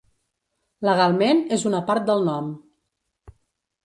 Legalment, és una part del nom.